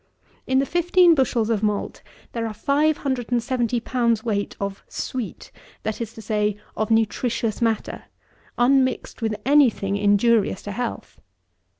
In the fifteen bushels of malt there are 570 pounds weight of sweet; that is to say, of nutricious matter, unmixed with any thing injurious to health.